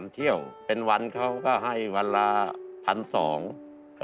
เขาก็ให้วันละ๑๒๐๐บาท